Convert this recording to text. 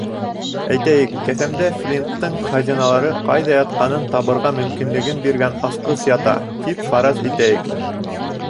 Әйтәйек, кеҫәмдә Флинттың хазиналары ҡайҙа ятҡанын табырға мөмкинлек биргән асҡыс ята тип фараз итәйек.